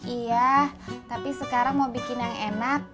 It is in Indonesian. iya tapi sekarang mau bikin yang enak